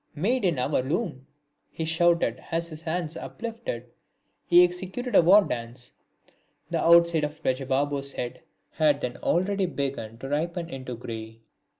"Made in our loom!" he shouted as with hands uplifted he executed a war dance. The outside of Braja Babu's head had then already begun to ripen into grey!